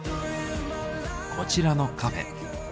こちらのカフェ。